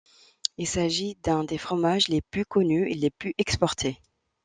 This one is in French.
Il s'agit d'un des fromages les plus connus et les plus exportés.